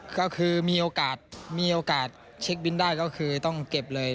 ก็คือมีโอกาสมีโอกาสเช็คบินได้ก็คือต้องเก็บเลย